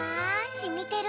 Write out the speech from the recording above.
しみてる？